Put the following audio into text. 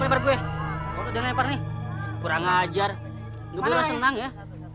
aduh siapa lebar gue udah lebar nih kurang ajar ngebawa senang ya